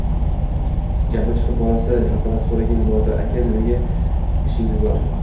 Jahli chiqib, bolasi haqida so`ragan Botir akaga Nima ishingiz bor